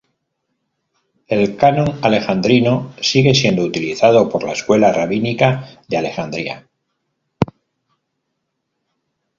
El Canon Alejandrino sigue siendo utilizado por la escuela rabínica de Alejandría.